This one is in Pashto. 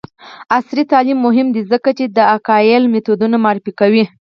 عصري تعلیم مهم دی ځکه چې د اګایل میتودونه معرفي کوي.